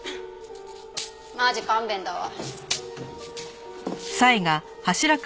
マジ勘弁だわ。